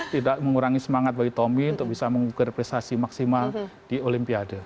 tidak mengurangi semangat bagi tommy untuk bisa mengukir prestasi maksimal di olimpiade